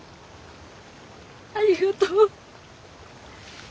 ありがとう。